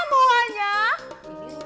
ini rumah gue